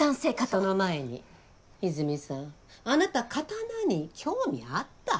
その前にいづみさんあなた刀に興味あった？